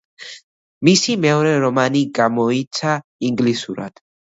მისი მეორე რომანი გამოიცა ინგლისურად.